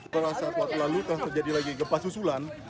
pada saat waktu lalu telah terjadi lagi gempa susulan